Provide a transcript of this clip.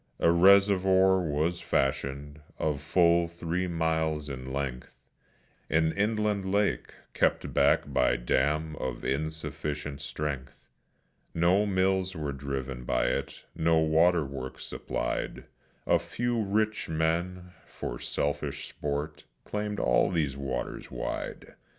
A reservoir was fashioned, of full three miles in length, An inland lake, kept back by dam of insufficient strength; No mills were driven by it; no water works supplied; A few rich men, for selfish sport, claimed all these waters wide.